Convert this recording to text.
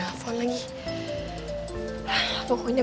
duh kok gue malah jadi mikir macem macem gini ya